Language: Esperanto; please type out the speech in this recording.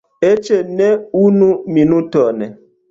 Eĉ ne unu minuton!